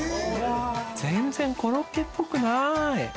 全然コロッケっぽくない。